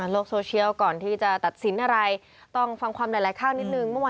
โลกโซเชียลก่อนที่จะตัดสินอะไรต้องฟังความหลายข้างนิดหนึ่ง